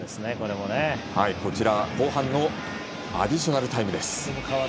こちら後半のアディショナルタイムです。